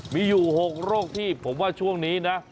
มีอยู่๖โรคที่ผมว่าช่วงนี้นะ